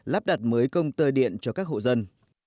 lắp đặt mới công tơ điện cho các hộ dân